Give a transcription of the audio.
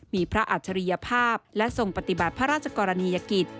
มีพระอัจฉริยภาพและทรงปฏิบัติพระราชกรณียกิจ